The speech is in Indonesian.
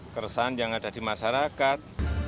keresahan yang ada di masyarakat